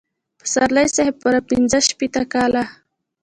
پسرلي صاحب پوره پنځه شپېته کاله.